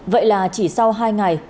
vậy là chỉ sau hai ngày